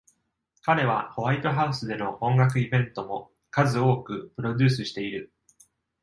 彼は、ホワイトハウスでの音楽イベントも数多くプロデュースしている。